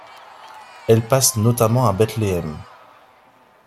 Elle passe notamment à Bethlehem.